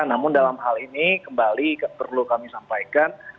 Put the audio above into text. namun dalam hal ini kembali perlu kami sampaikan